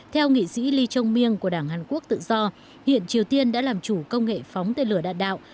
theo nghị sĩ lee chong miêng của đảng hàn quốc tự do hiện triều tiên đã làm chủ công nghệ phóng tên lửa đạn đạo